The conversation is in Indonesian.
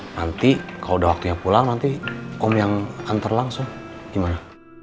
nanti kalau udah waktunya pulang nanti om yang antar langsung gimana